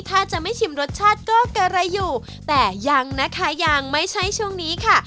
ถ้าจะไม่ชิมรสชาติก็กะไรอยู่แต่ยังนะคะยังไม่ใช่ช่วงนี้ค่ะ